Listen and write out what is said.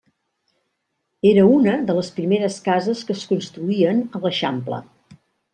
Era una de les primeres cases que es construïen a l’Eixample.